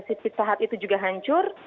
si phd itu juga hancur